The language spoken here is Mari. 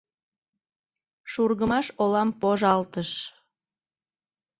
Шургымаш олам пожалтыш».